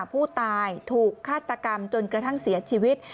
ผู้ตายถูกฆาตกรรมจนกระทั่งเสียชีวิต